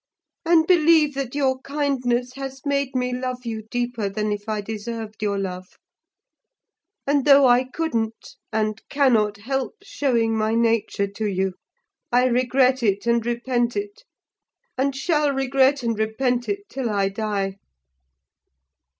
And believe that your kindness has made me love you deeper than if I deserved your love: and though I couldn't, and cannot help showing my nature to you, I regret it and repent it; and shall regret and repent it till I die!